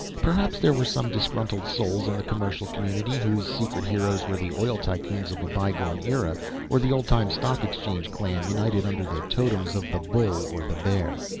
_ Perhaps there were some disgruntled souls in the commercial community, whose secret heroes were the oil tycoons of a bygone era or the old time Stock Exchange clan united under the totems of the bull or the bear.